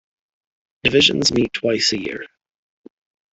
Divisions meet twice a year.